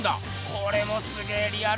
これもすげえリアルだな。